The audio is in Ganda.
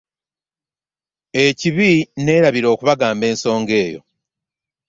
Ekibi neerabira okubagamba ensonga eyo.